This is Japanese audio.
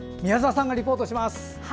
宮澤さんがリポートします。